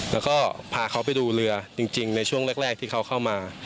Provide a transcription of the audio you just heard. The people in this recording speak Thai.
แล้วก็พาเขาไปดูเรือจริงในช่วงแรกที่เขาเข้ามา